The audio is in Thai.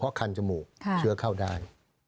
เพราะคันจมูกเชื้อเข้าได้